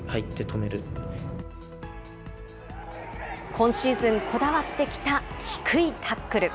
今シーズン、こだわってきた低いタックル。